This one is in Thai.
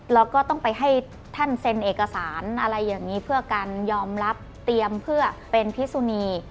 แล้วก็ต้องไปให้ท่านเซ็นเอกสารอะไรอย่างนี้เพื่อการยอมรับเตรียมเพื่อเป็นพิสุนี